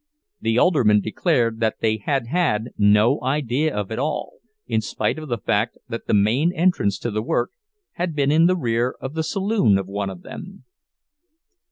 The aldermen declared that they had had no idea of it all, in spite of the fact that the main entrance to the work had been in the rear of the saloon of one of them.